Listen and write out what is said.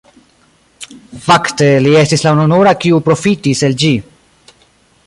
Fakte li estis la ununura kiu profitis el ĝi.